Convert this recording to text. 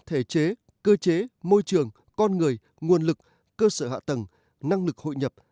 thể chế cơ chế môi trường con người nguồn lực cơ sở hạ tầng năng lực hội nhập